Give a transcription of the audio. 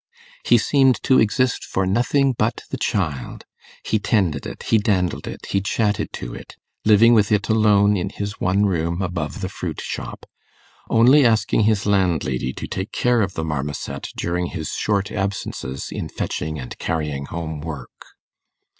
He seemed to exist for nothing but the child: he tended it, he dandled it, he chatted to it, living with it alone in his one room above the fruit shop, only asking his landlady to take care of the marmoset during his short absences in fetching and carrying home work.